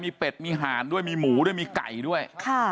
มีเป็ดมีหาดมีหมูมีไก่ด้วย